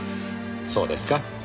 そうですか？